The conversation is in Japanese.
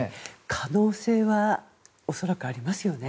可能性は恐らくありますよね。